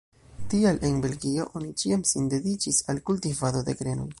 Tial en Belgio oni ĉiam sin dediĉis al la kultivado de grenoj.